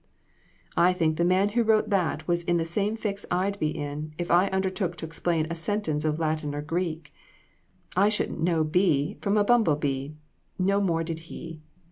" I think the man who wrote that was in the same fix I'd be in, if I undertook to explain a sentence of Latin or Greek. I shouldn't know *B' from a bumble bee, no more did he.